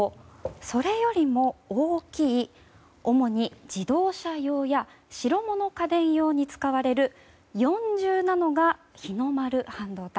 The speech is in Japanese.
それよりも大きい主に自動車用や白物家電用に使われる４０ナノが、日の丸半導体。